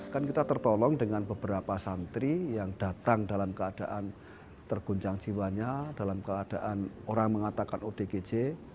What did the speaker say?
kan kita tertolong dengan beberapa santri yang datang dalam keadaan terguncang jiwanya dalam keadaan orang mengatakan odgj